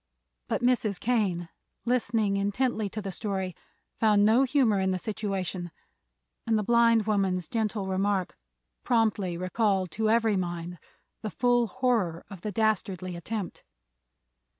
But Mrs. Kane, listening intently to the story, found no humor in the situation, and the blind woman's gentle remark promptly recalled to every mind the full horror of the dastardly attempt.